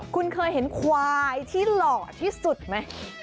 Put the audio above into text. คุณเคยเห็นควายที่หล่อที่สุดไหม